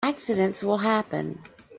Accidents will happen.